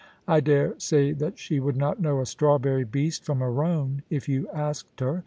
I dare say that she would not know a strawberry beast from a roan, if you asked her.